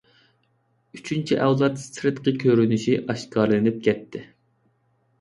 ئۈچىنچى ئەۋلاد سىرتقى كۆرۈنۈشى ئاشكارىلىنىپ كەتتى.